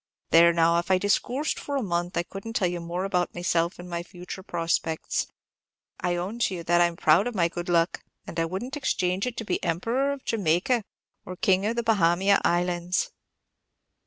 There, now, if I discoorsed for a month, I could n't tell you more about myself and my future prospects. I own to you that I 'm proud of my good luck, and I would n't exchange it to be Emperor of Jamaica, or King of the Bahamia Islands."